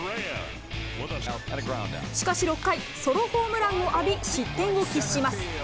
しかし６回、ソロホームランを浴び、失点を喫します。